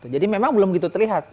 jadi memang belum begitu terlihat